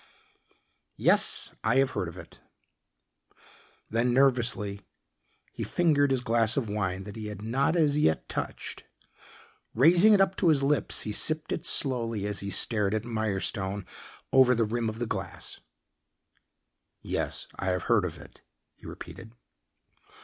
"Yes. I have heard of it." Then nervously he fingered his glass of wine that he had not as yet touched. Raising it up to his lips he sipped it slowly as he stared at Mirestone over the rim of the glass. "Yes. I have heard of it," he repeated.